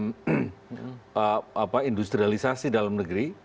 turut terlibat dalam industrialisasi dalam negeri